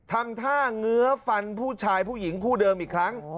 ทำท่าเงื้อฟันผู้ชายผู้หญิงคู่เดิมอีกครั้ง